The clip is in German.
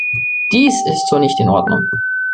Dies ist so nicht in Ordnung!